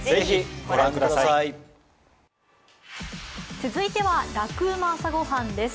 続いては「ラクうま！朝ごはん」です。